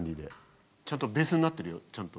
ちゃんとベースになってるよちゃんと。